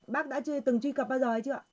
bác đã từng truy cập bao giờ hay chưa ạ